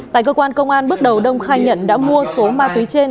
tại cơ quan công an bước đầu đông khai nhận đã mua số ma túy trên